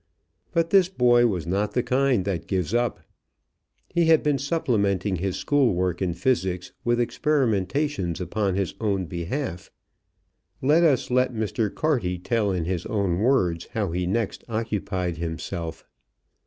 But this boy was not the kind that gives up. He had been supplementing his school work in physics with experimentations upon his own behalf. Let us let Mr. Carty tell in his own words how he next occupied himself.